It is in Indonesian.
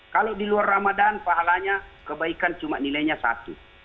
kalau di luar ramadan pahalanya kebaikan cuma nilainya satu